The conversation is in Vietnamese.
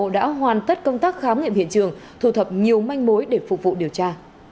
đã hoàn tất công tác khám nghiệm hiện trường thu thập nhiều manh mối để phục vụ điều tra